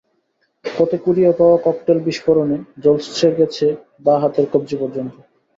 পথে কুড়িয়ে পাওয়া ককটেল বিস্ফোরণে ঝলসে গেছে বাঁ হাতের কবজি পর্যন্ত।